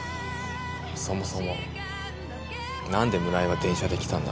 そもそも何で村井は電車で来たんだ？